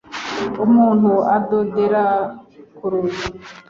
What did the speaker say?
Umuntu adodora ku rugi.